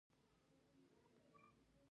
پوپلیستانو شعارونه یې بدرګه کول.